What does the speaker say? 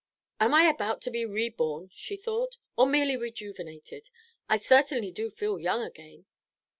"Am I about to be re born?" she thought. "Or merely rejuvenated? I certainly do feel young again."